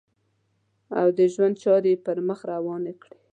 او د ژوند چارې یې پر مخ روانې کړې.